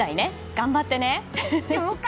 頑張ってね！